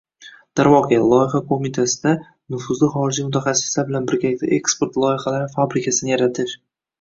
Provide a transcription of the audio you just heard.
Darvoqe, Loyiha qo‘mitasida nufuzli xorijiy mutaxassislar bilan birgalikda «eksport loyihalari fabrikasi»ni yaratish